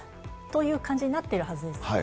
という感じになっているはず